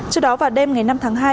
trước đó vào đêm ngày năm tháng hai